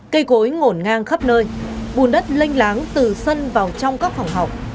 cây cối ngổn ngang khắp nơi bùn đất lênh láng từ sân vào trong các phòng học